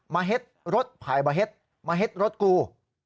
เฮ็ดรถผ่ายมาเฮ็ดมาเฮ็ดรถกู